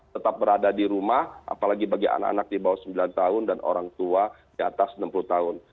tetap berada di rumah apalagi bagi anak anak di bawah sembilan tahun dan orang tua di atas enam puluh tahun